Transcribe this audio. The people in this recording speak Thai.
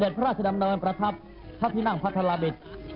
จากนั้นเวลา๑๑นาฬิกาเศรษฐ์พระธินั่งไพรศาลพักศิลป์